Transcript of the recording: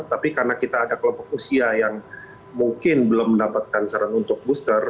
tapi karena kita ada kelompok usia yang mungkin belum mendapatkan saran untuk booster